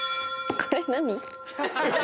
これ何？